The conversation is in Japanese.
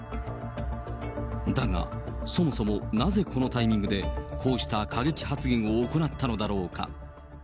だが、そもそもなぜこのタイミングで、こうした過激発言を行ったのだろうか。